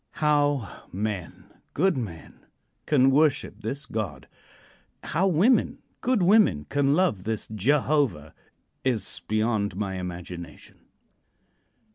How men good men can worship this God; how women good women can love this Jehovah, is beyond my imagination.